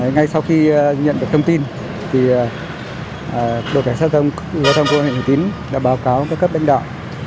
ngay sau khi nhận được thông tin đội cảnh sát giao thông của huyện thường tín đã báo cáo các cấp đánh đạo